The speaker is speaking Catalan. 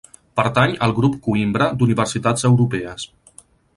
Pertany al Grup Coïmbra d'universitats europees.